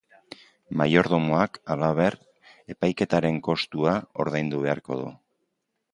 Maiordomoak, halaber, epaiketaren kostua ordaindu beharko du.